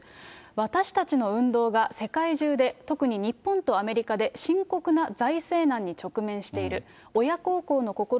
私たちの運動が世界中で、特に日本とアメリカで深刻な財政難に直面している。